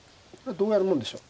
どうやるもんでしょう。